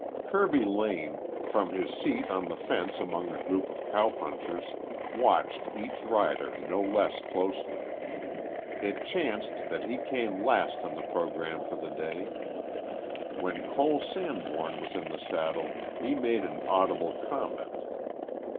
Kirby Lane, from his seat on the fence among a group of cowpunchers, watched each rider no less closely. It chanced that he came last on the programme for the day. When Cole Sanborn was in the saddle he made an audible comment.